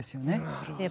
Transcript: なるほどね。